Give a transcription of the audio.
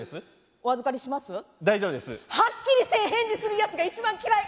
はっきりせん返事するやつが一番嫌い！